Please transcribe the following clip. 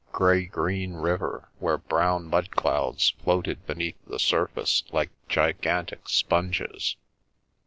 Grey green river, where brown mud clouds floated beneath the surface like gigantic sponges.